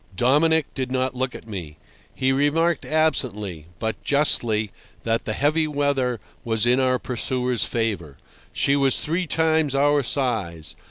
Dominic did not look at me. He remarked absently, but justly, that the heavy weather was in our pursuer's favour. She was three times our size.